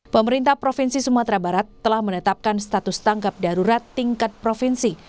pemerintah provinsi sumatera barat telah menetapkan status tanggap darurat tingkat provinsi